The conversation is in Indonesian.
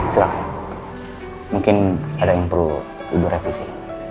silahkan mungkin ada yang perlu ibu revisi